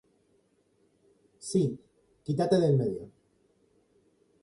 Si, quitate de en medio.